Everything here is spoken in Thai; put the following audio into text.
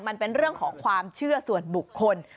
มันเป็นเรื่องของความเชื่อส่วนบุคคล